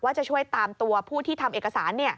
จะช่วยตามตัวผู้ที่ทำเอกสาร